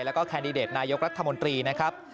แล้วก็แคนดิเดตนายกรัฐมนตรีนะครับ